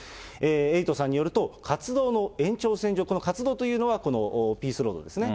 エイトさんによると、活動の延長線上、この活動というのは、このピースロードですね。